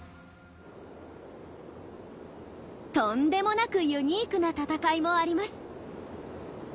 とんでもなくユニークな闘いもあります。